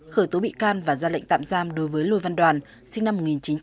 khởi tố bị can và ra lệnh tạm giam đối với lương văn đoàn sinh năm một nghìn chín trăm chín mươi hai